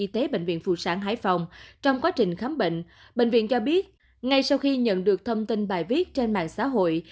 trong quá trình khám bệnh bệnh viện cho biết ngay sau khi nhận được thông tin bài viết trên mạng xã hội